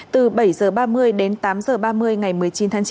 từ bảy h ba mươi đến tám h ba mươi ngày một mươi chín tháng chín